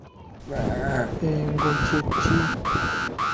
Engo kye ki?